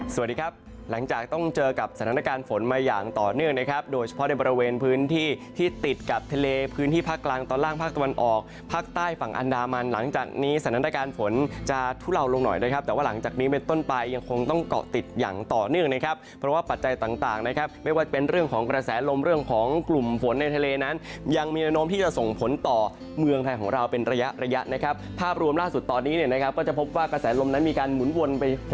สวัสดีครับหลังจากต้องเจอกับสถานการณ์ฝนมาอย่างต่อเนื่องนะครับโดยเฉพาะในบริเวณพื้นที่ที่ติดกับทะเลพื้นที่ภาคกลางตอนล่างภาคตะวันออกภาคใต้ฝั่งอันดามันหลังจากนี้สถานการณ์ฝนจะทุเลาลงหน่อยนะครับแต่ว่าหลังจากนี้เป็นต้นปลายยังคงต้องเกาะติดอย่างต่อเนื่องนะครับเพราะว่าปัจจั